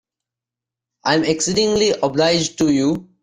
I am exceedingly obliged to you.